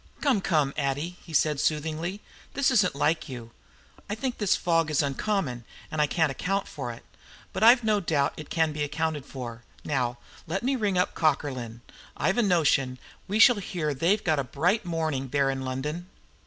"Come, come, Addie!" he said soothingly. "This isn't like you. I think this fog is uncommon, and I can't account for it, but I've no doubt it can be accounted for. Now, let me ring up Cockerlyne. I've a notion we shall hear they've got a bright morning there in London."